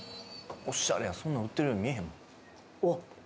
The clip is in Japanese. オシャレやそんなん売ってるように見えへんうわ